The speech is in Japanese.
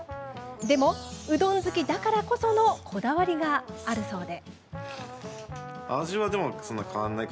でも、うどん好きだからこそのこだわりがあるそうで。